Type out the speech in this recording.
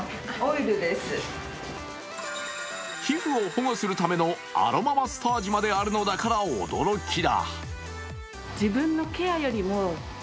皮膚を保護するためのアロママッサージまであるのだから驚きだ。